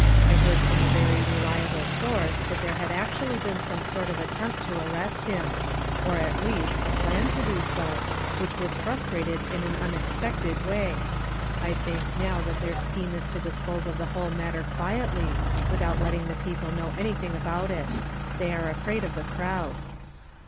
I heard from a very reliable source that there had actually been some sort of an attempt to arrest him ; or, at least, a plan to do so, which was frustrated in an unex pected way. I think now that their sclieme is to dispose of the whole matter quietly, without let ting the people know anything about it ; they are afraid of the crowd."